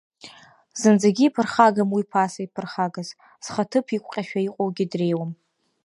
Зынӡагьы иԥырхагам уи ԥаса иԥырхагаз, зхы аҭыԥ иқәҟьашәа иҟоугьы дреиуам.